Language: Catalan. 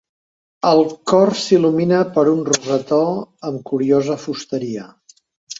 El cor s'il·lumina per un rosetó amb curiosa fusteria.